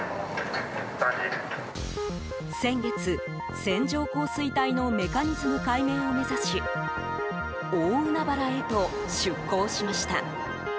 先月、線状降水帯のメカニズム解明を目指し大海原へと出航しました。